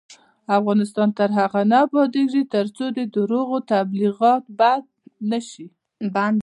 افغانستان تر هغو نه ابادیږي، ترڅو د درواغو تبلیغات بند نشي.